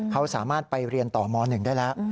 เขาสามารถไปเรียนต่อม๑ได้แล้ว